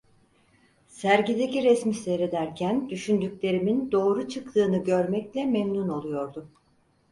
Sergideki resmi seyrederken düşündüklerimin doğru çıktığını görmekle memnun oluyordum.